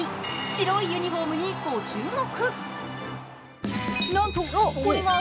白いユニフォームにご注目。